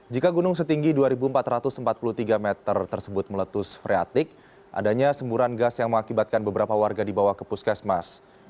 jika gunung setinggi dua empat ratus empat puluh tiga meter tersebut meletus freatik adanya semburan gas yang mengakibatkan beberapa warga dibawa ke puskesmas